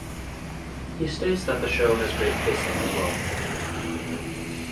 He states that the show has great pacing as well.